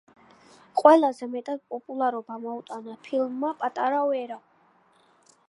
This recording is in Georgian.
ყველაზე მეტად პოპულარობა მოუტანა ფილმმა „პატარა ვერა“.